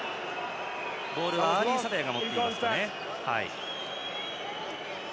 ボールはアーディー・サベアが持っています。